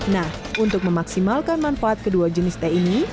nah untuk memaksimalkan manfaat kedua jenis teh ini